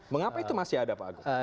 mengapa itu masih ada pak agus